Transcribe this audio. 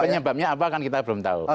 penyebabnya apa kan kita belum tahu